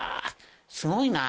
すごいな。